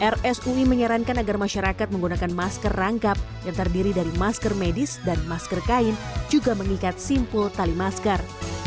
rsui menyarankan agar masyarakat menggunakan masker rangkap yang terdiri dari masker medis dan masker kain juga mengikat simpul tali masker